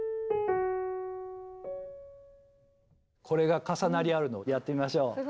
これが重なり合うのやってみましょう。